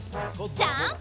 ジャンプ！